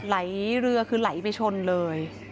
ไหลเรือคือไหลไปชนเลย